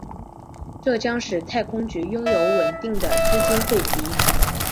这将使太空局拥有稳定的资金汇集。